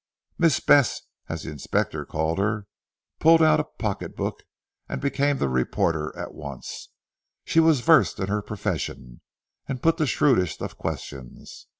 Miss Bess as the Inspector called her, pulled out a pocket book, and became the reporter at once. She was versed in her profession and put the shrewdest of questions.